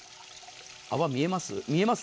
泡、見えます？